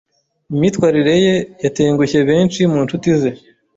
Imyitwarire ye yatengushye benshi mu nshuti ze.